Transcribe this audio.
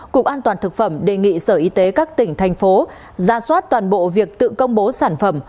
cục an toàn thực phẩm đề nghị sở y tế các tỉnh thành phố ra soát toàn bộ việc tự công bố sản phẩm